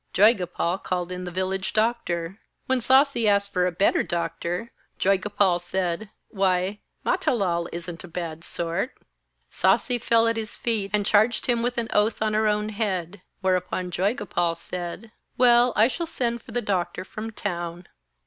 Joygopal called in the village doctor. When Sasi asked for a better doctor, Joygopal said: 'Why, Matilal isn't a bad sort.' Sasi fell at his feet, and charged him with an oath on her own head; whereupon Joygopal said: 'Well, I shall send for the doctor from town.'